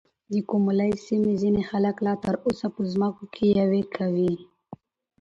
د ګوملې سيمې ځينې خلک لا تر اوسه په ځمکو کې يوې کوي .